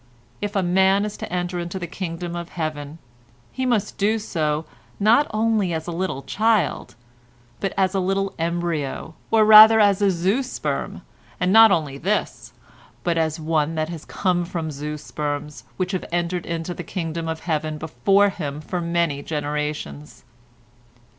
If a man is to enter into the Kingdom of Heaven, he must do so, not only as a little child, but as a little embryo, or rather as a little zoosperm—and not only this, but as one that has come of zoosperms which have entered into the Kingdom of Heaven before him for many generations.